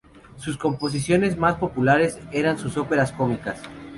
Sus composiciones más populares eran sus óperas cómicas.